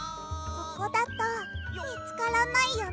ここだとみつからないよね。